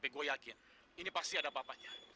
ini pasti ada apa apanya